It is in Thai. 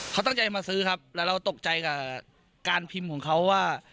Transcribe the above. เขาตั้งใจมาซื้อครับแล้วเราตกใจกับการพิมพ์ของเขาว่า